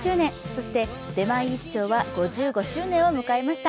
そして、「出前一丁」は５５周年を迎えました！